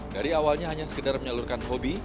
dari awalnya hanya sekedar menyalurkan hobi